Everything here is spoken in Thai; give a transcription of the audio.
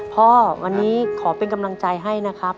พ่อวันนี้ขอเป็นกำลังใจให้นะครับ